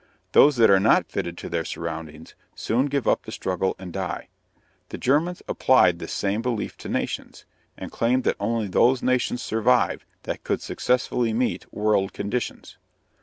Those that are not fitted to their surroundings soon give up the struggle and die. The Germans applied this same belief to nations, and claimed that only those nations survived that could successfully meet world conditions.